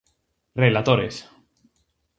Relatores.